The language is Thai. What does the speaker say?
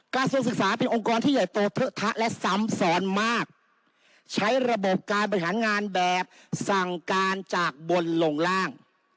กระทรวงศึกษาเป็นองค์กรที่ใหญ่โตเลอะทะและซ้ำซ้อนมากใช้ระบบการบริหารงานแบบสั่งการจากบนลงล่าง